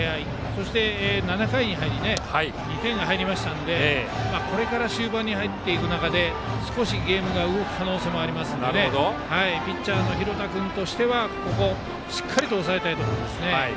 そして７回に２点が入りましたのでこれから終盤に入る中で少しゲームが動く可能性がありピッチャーの廣田君としてはここをしっかりと抑えたいところですね。